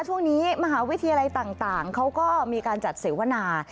ช่วงนี้มหาวิทยาลัยต่างเขาก็มีการจัดเสวนา